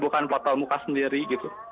bukan foto muka sendiri gitu